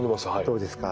どうですか？